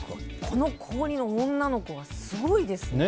この高２の女の子はすごいですね。